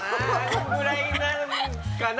あんぐらいなんかな？